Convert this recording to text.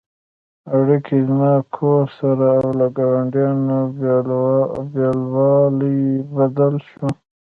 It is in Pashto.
اړیکې «زما کور» سره او له ګاونډیانو بېلوالی بدل شو.